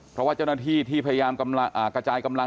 เพราะว่าเจ้าหน้าที่ที่พยายามกระจายกำลัง